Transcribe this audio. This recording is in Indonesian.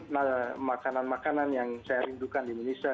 makanan makanan yang saya rindukan di indonesia